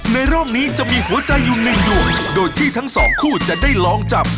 ในรอบนี้จะมีหัวใจอยู่หนึ่งดวงโดยที่ทั้งสองคู่จะได้ลองจับ